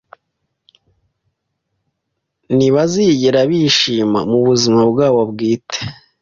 Ntibazigera bishima mubuzima bwabo bwite